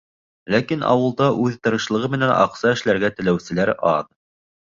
Ләкин ауылда үҙ тырышлығы менән аҡса эшләргә теләүселәр аҙ.